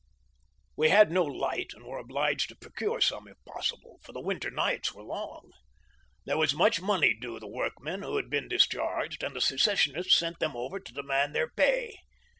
We had 110 light and were obliged to procure some if possible, for the win ter nights were long. There was much money due the workmen who had been discharged, and the secessionists sent them over to demand their pay.